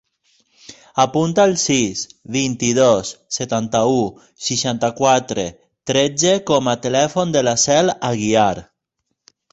Apunta el sis, vint-i-dos, setanta-u, seixanta-quatre, tretze com a telèfon de la Cel Aguiar.